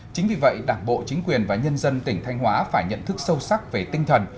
chính vì vậy đảng bộ chính quyền và nhân dân tỉnh thanh hóa phải nhận thức sâu sắc về tinh thần